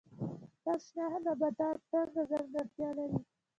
تل شنه نباتات څه ځانګړتیا لري؟